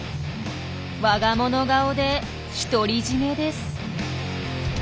我が物顔で独り占めです。